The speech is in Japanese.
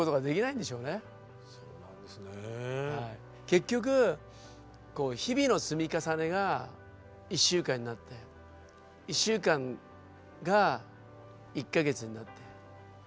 結局こう日々の積み重ねが１週間になって１週間が１か月になって１か月が年という。